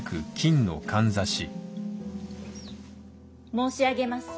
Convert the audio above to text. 申し上げます。